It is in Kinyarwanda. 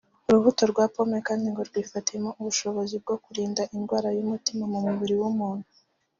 urubuto rwa pomme kandi ngo rwifitemo ubushobozi bwo kurinda indwara y’umutima mu mubiri w’umuntu